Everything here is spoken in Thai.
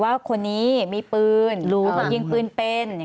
ว่าคนนี้มีปืนหรูกับยิงปืนเป็น